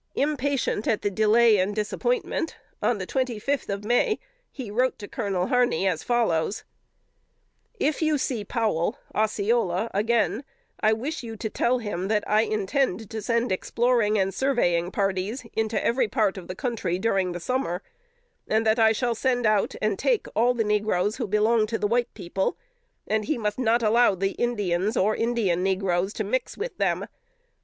Impatient at delay and disappointment, on the twenty fifth of May, he wrote Colonel Harney, as follows: "If you see Powell (Osceola) again, I wish you to tell him that I intend to send exploring and surveying parties into every part of the country during the summer, and that I shall send out and take all the negroes who belong to the white people, and he must not allow the Indians or Indian negroes to mix with them.